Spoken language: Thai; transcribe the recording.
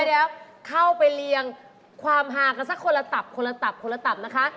เดี๋ยวเข้าไปเลียงความฮากันสักคนละตับนะคะ